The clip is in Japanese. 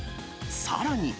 さらに。